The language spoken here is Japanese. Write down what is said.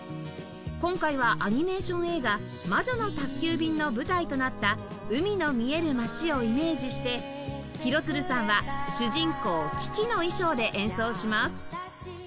今回はアニメーション映画『魔女の宅急便』の舞台となった海の見える街をイメージして廣津留さんは主人公キキの衣装で演奏します